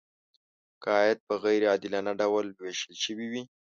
که عاید په غیر عادلانه ډول ویشل شوی وي.